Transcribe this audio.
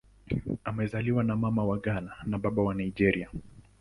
Amezaliwa na Mama wa Ghana na Baba wa Nigeria.